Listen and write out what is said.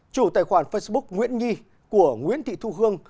chủ tài khoản facebook nguyễn nhi của nguyễn thị thu hương